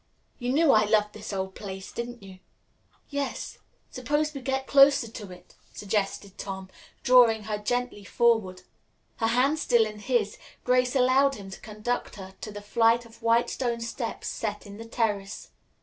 "You knew I loved this old place, didn't you?" "Yes. Suppose we go closer to it," suggested Tom, drawing her gently forward. Her hand still in his, Grace allowed him to conduct her to the flight of white stone steps set in the terrace.